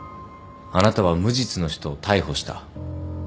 あなたは無実の人を逮捕した。